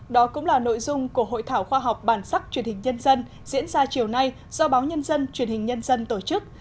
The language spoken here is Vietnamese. đó cũng là nội dung của hội thảo khoa học bản sắc truyền hình nhân dân diễn ra chiều nay do báo nhân dân truyền hình nhân dân tổ chức